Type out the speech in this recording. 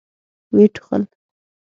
ويې ټوخل.